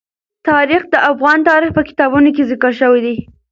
تاریخ د افغان تاریخ په کتابونو کې ذکر شوی دي.